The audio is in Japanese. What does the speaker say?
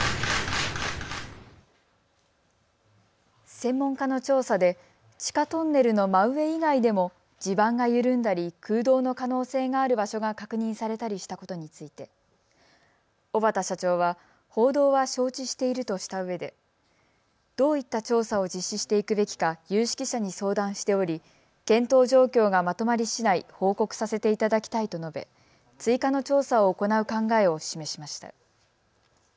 専門家の調査で地下トンネルの真上以外でも地盤が緩んだり空洞の可能性がある場所が確認されたりしたことについて小畠社長は報道は承知しているとしたうえでどういった調査を実施していくべきか有識者に相談しており検討状況がまとまりしだい報告させていただきたいと述べ追加の調査を行う考えを示しました。